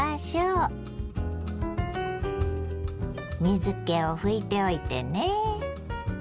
水けを拭いておいてね。